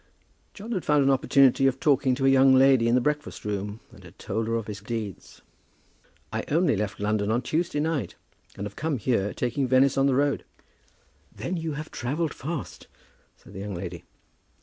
John had found an opportunity of talking to a young lady in the breakfast room, and had told her of his deeds. "I only left London on Tuesday night, and I have come here taking Venice on the road." "Then you have travelled fast," said the young lady.